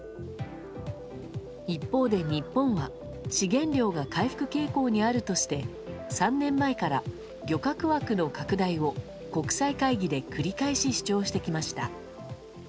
一方で日本は資源量が回復傾向にあるとして３年前から漁獲枠の拡大を国際会議で繰り返し主張してきました。